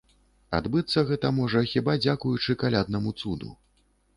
Адбыцца гэта можа, хіба, дзякуючы каляднаму цуду.